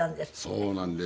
そうなんですよ。